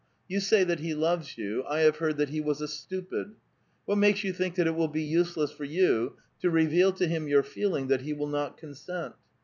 You saj' that he loves you ; I have heard that he was a stupid. What raalces you think that it will be useless for you to reveal to him your feeling, that he will not consent?